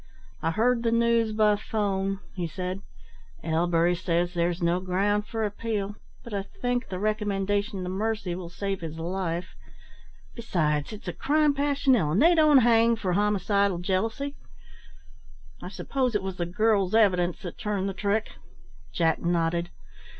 "I heard the news by 'phone," he said. "Ellbery says there is no ground for appeal, but I think the recommendation to mercy will save his life besides it is a crime passionelle, and they don't hang for homicidal jealousy. I suppose it was the girl's evidence that turned the trick?" Jack nodded.